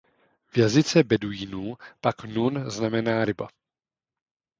V jazyce beduínů pak nun znamená „ryba“.